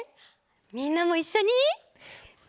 みんなもいっしょに！